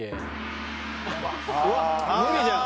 うわっ無理じゃん。